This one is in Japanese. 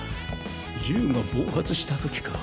銃が暴発したときか？